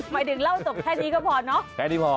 หมายถึงเล่าจบแค่นี้ก็พอเนอะแค่นี้พอ